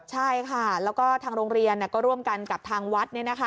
ใช่ค่ะแล้วก็ทางโรงเรียนก็ร่วมกันกับทางวัด